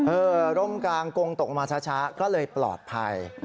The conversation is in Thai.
ร่มกลางกงตกมาช้าก็เลยปลอดภัย